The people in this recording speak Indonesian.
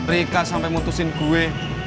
rika sampe mutusin gue